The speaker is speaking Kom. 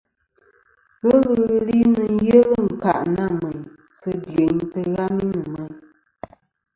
Ghelɨ ghɨ li nɨn yelɨ ɨ̀nkâʼ nâ mèyn sɨ dyeyn tɨghami nɨ̀ mêyn.